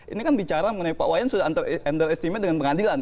ini kan bicara mengenai pak wayan sudah under estimate dengan pengadilan